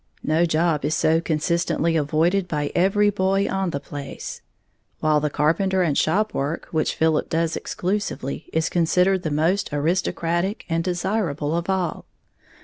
No job is so consistently avoided by every boy on the place; while the carpenter and shop work, which Philip does exclusively, is considered the most aristocratic and desirable of all.